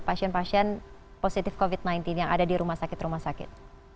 pasien pasien positif covid sembilan belas yang ada di rumah sakit rumah sakit